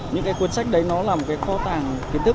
những cái cuốn sách đấy nó là một cái kho tàng